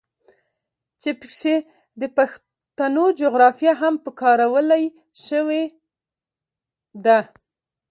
چې پکښې د پښتنو جغرافيه هم پکارولے شوې ده.